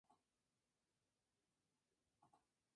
El nombre inicialmente era Hospital Amazónico "Albert Schweitzer".